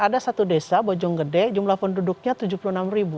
ada satu desa bojonggede jumlah penduduknya tujuh puluh enam ribu